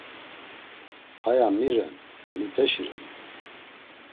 Haya mi ren, mipeşi ren?